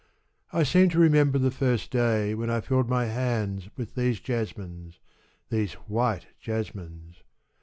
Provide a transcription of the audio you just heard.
I seem to remember the first day when I filled my hands with these jasmines, these white jasmines.